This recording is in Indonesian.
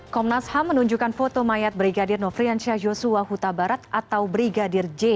komnas ham menunjukkan foto mayat brigadir nofriansyah yosua huta barat atau brigadir j